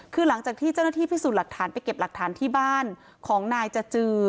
คือหลังจากที่เจ้าหน้าที่พิสูจน์หลักฐานไปเก็บหลักฐานที่บ้านของนายจจือ